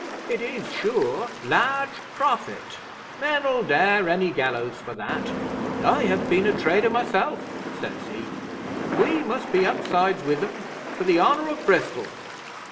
'"It is sure, large profit. Men'll dare any gallows for that. I have been a trader myself," says he. "We must be upsides with 'em for the honour of Bristol."